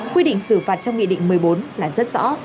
quy định xử phạt trong nghị định một mươi bốn là rất rõ